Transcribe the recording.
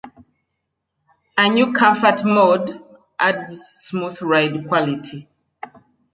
A new "Comfort" mode adds smooth ride quality.